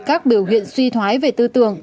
các biểu hiện suy thoái về tư tưởng